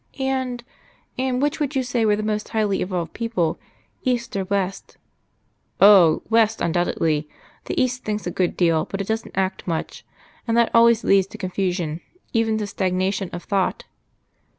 "And and which would you say were the most highly evolved people East or West?" "Oh! West undoubtedly. The East thinks a good deal, but it doesn't act much. And that always leads to confusion even to stagnation of thought."